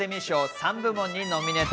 ３部門にノミネート。